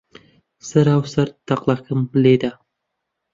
سەرا و سەر تەقلەکم لێ دا.